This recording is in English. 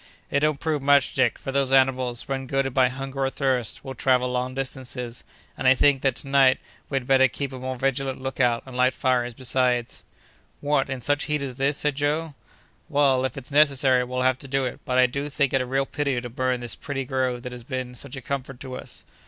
"It don't prove much, Dick, for those animals, when goaded by hunger or thirst, will travel long distances, and I think that, to night, we had better keep a more vigilant lookout, and light fires, besides." "What, in such heat as this?" said Joe. "Well, if it's necessary, we'll have to do it, but I do think it a real pity to burn this pretty grove that has been such a comfort to us!"